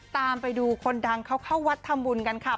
ตามไปดูคนดังเข้าวัดธรรมบุญกันค่ะ